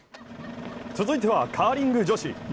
続いてはカーリング女子。